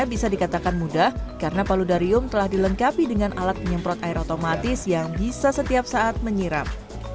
bisa dikatakan mudah karena paludarium telah dilengkapi dengan alat penyemprot air otomatis yang bisa setiap saat menyiram